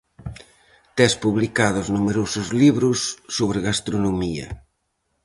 Tes publicados numerosos libros sobre gastronomía.